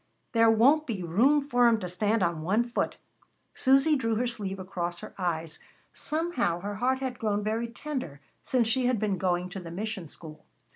"There won't be room for 'em to stand on one foot." Susy drew her sleeve across her eyes. Somehow her heart had grown very tender since she had been going to the mission school.